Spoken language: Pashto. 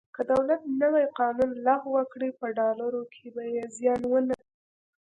که دولت نوی قانون لغوه کړي په ډالرو کې به زیان ونه کړي.